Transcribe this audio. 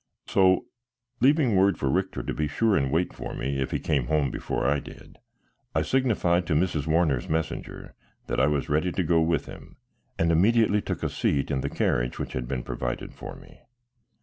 So, leaving word for Richter to be sure and wait for me if he came home before I did, I signified to Mrs. Warner's messenger that I was ready to go with him, and immediately took a seat in the carriage which had been provided for me.